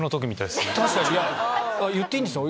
言っていいんでした？